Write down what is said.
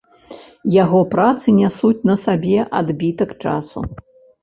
Яго працы нясуць на сабе адбітак часу.